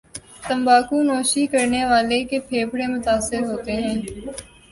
تمباکو نوشی کرنے والے کے پھیپھڑے متاثر ہوتے ہیں